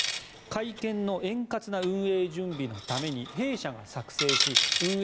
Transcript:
会見の円滑な運営準備のために弊社が作成し運営